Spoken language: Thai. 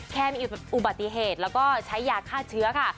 แค่มีอุบัติเหตุแล้วก็ใช้ยาฆ่าเชื้อค่ะ